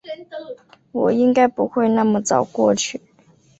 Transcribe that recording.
我应该不会那么早过去